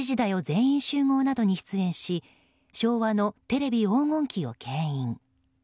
全員集合」などに出演し昭和のテレビ黄金期を牽引。